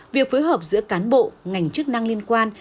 việc phối hợp giữa cán bộ ngành chức năng liên quan